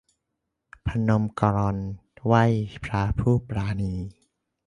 พนมกรไหว้พระผู้ปราณี